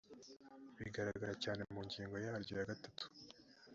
bigaragara cyane mu ngingo yaryo ya gatatu